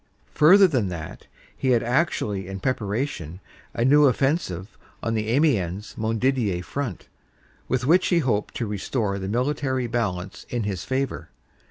Further than that, he had actually in preparation a new offensive on the Amiens Montdidier front with which he hoped to restore the military balance in his favor.